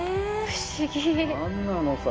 不思議。